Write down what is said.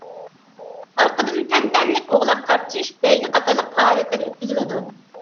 ئارقىدىن تەنتەنىلىك ئوغلاق تارتىشىش، بەيگە قاتارلىق پائالىيەتلەر ئۆتكۈزۈلىدۇ.